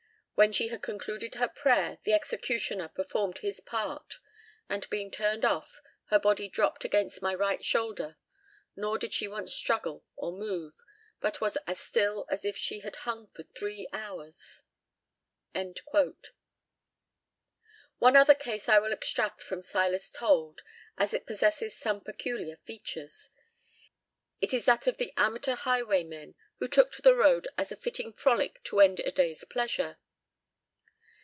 When she had concluded her prayer, the executioner performed his part, and being turned off, her body dropped against my right shoulder, nor did she once struggle or move, but was as still as if she had hung for three hours." One other case I will extract from Silas Told, as it possesses some peculiar features. It is that of the amateur highwaymen who took to the road as a fitting frolic to end a day's pleasure.